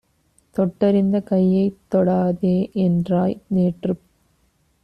தொட்டறிந்த கையைத் தொடாதேஎன் றாய்! நேற்றுப்